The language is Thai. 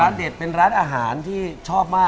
เด็ดเป็นร้านอาหารที่ชอบมาก